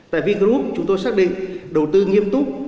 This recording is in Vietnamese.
tại vingroup chúng tôi xác định đầu tư nghiêm túc